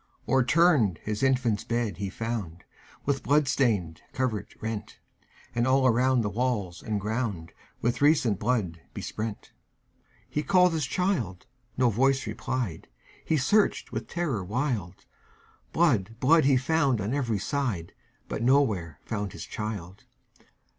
O'erturned his infant's bed he found, With blood stained covert rent; And all around the walls and groundWith recent blood besprent. He called his child,—no voice replied,—He searched with terror wild; Blood, blood, he found on every side, But nowhere found his child.